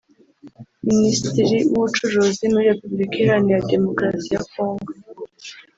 Minisitiri w’Ubucuruzi muri Repubulika Iharanira Demukarasi ya Congo